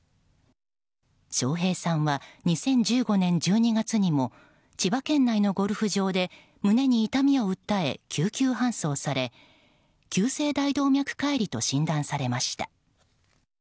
笑瓶さんは２０１５年１２月にも千葉県内のゴルフ場で胸に痛みを訴え救急搬送され急性大動脈解離と診断されました。